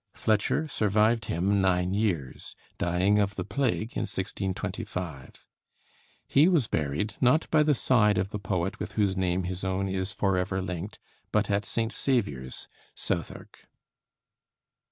Fletcher survived him nine years, dying of the plague in 1625. He was buried, not by the side of the poet with whose name his own is forever linked, but at St. Saviour's, Southwark.